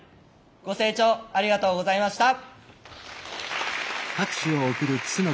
ご清聴ありがとうございました。